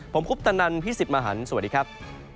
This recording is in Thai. ผมคุปตะนันพี่สิทธิ์มหันฯสวัสดีครับ